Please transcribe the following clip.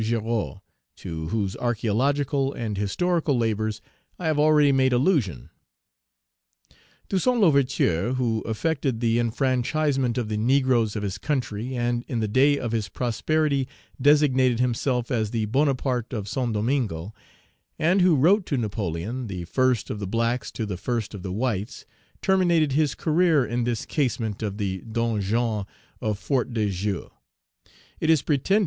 Girod, to whose archeological and historical labors I have already made allusion: "Toussaint L'Ouverture, who effected the enfranchisement of the negroes of his country, and, in the day of his prosperity, designated himself as the Bonaparte of St. Domingo, and who wrote to Napoleon, 'The first of the blacks to the first of the whites,' terminated his career in this casement of the donjon of Fort de Joux.